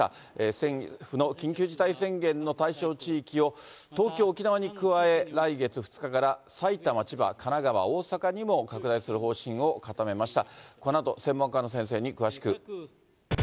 政府の緊急事態宣言の対象地域を、東京、沖縄に加え、来月２日から埼玉、千葉、神奈川、大阪にも拡大する方針を固めました。